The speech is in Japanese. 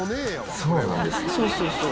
そうそうそう。